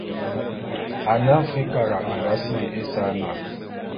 Ane Afrikara a nga sili ésa na.